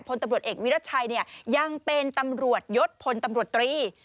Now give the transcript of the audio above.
พลตำรวจเอกวิรัชัยยังเป็นตำรวจยศพลตำรวจตรี